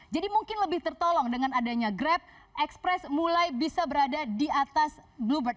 jadi mungkin lebih tertolong dengan adanya grab express mulai bisa berada di atas bluebird